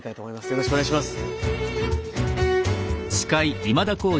よろしくお願いします。